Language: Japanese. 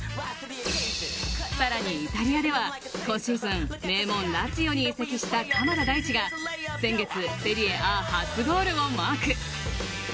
さらに、イタリアでは今シーズン名門・ラツィオに移籍した鎌田大地が先月、セリエＡ初ゴールをマーク。